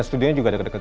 setelah saya sembuh